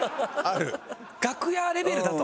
楽屋レベルだと。